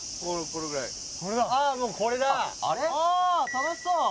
楽しそう！